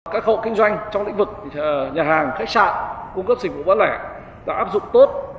các hộ kinh doanh trong lĩnh vực nhà hàng khách sạn cung cấp dịch vụ bán lẻ đã áp dụng tốt